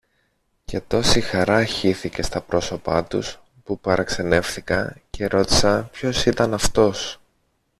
Και τόση χαρά χύθηκε στα πρόσωπα τους, που παραξενεύθηκα και ρώτησα ποιος ήταν αυτός.